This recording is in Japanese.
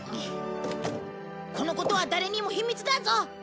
このことは誰にも秘密だぞ！